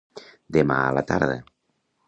Demà a la tarda.